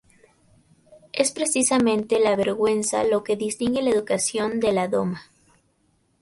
Es precisamente la vergüenza lo que distingue la educación de la doma.